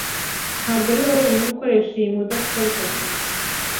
Ntabwo ari wowe wenyine ukoresha iyi mudasobwa.